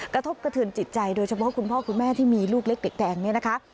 กระทบกระเทือนจิตใจโดยเฉพาะคุณพ่อคุณแม่ที่มีลูกเล็กเด็กแดงเนี่ยนะคะ